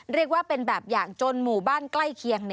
เรียกว่าเป็นแบบอย่างจนหมู่บ้านใกล้เคียง